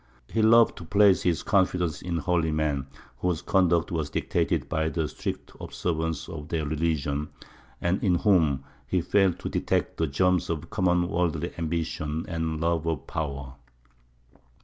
He loved to place his confidence in holy men, whose conduct was dictated by the strict observance of their religion, and in whom he failed to detect the germs of common worldly ambition and love of power.